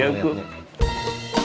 kau seneng gak day